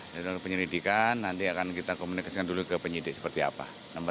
dari penyelidikan nanti akan kita komunikasikan dulu ke penyidik seperti apa